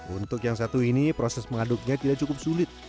untuk yang satu ini proses mengaduknya tidak cukup sulit